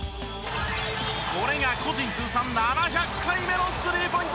これが個人通算７００回目のスリーポイント成功！